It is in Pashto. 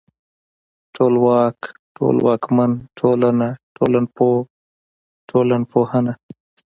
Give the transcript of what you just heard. ټولواک ، ټولواکمن، ټولنه، ټولنپوه، ټولنپوهنه